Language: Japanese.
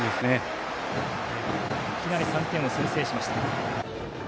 いきなり３点先制しました。